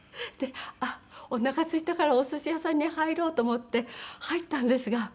あっおなかすいたからおすし屋さんに入ろうと思って入ったんですが。